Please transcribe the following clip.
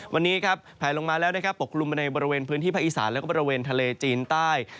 วันนี้ครับแผลลงมาแล้วนะครับปกกลุ่มมาในบริเวณพื้นที่ภาคอีสานแล้วก็บริเวณทะเลจีนใต้